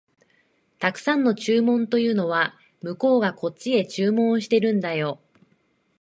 沢山の注文というのは、向こうがこっちへ注文してるんだよ